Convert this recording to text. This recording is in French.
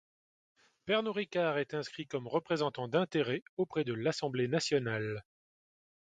Pernod Ricard est inscrit comme représentant d'intérêts auprès de l'Assemblée nationale.